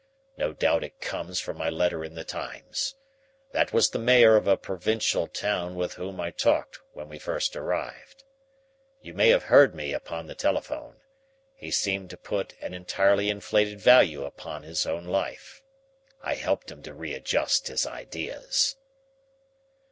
No doubt it comes from my letter in the Times. That was the mayor of a provincial town with whom I talked when we first arrived. You may have heard me upon the telephone. He seemed to put an entirely inflated value upon his own life. I helped him to readjust his ideas."